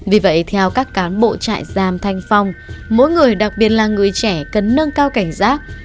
vì vậy theo các cán bộ trại giam thanh phong mỗi người đặc biệt là người trẻ cần nâng cao cảnh giác